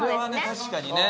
確かにね。